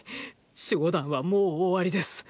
守護団はもう終わりです。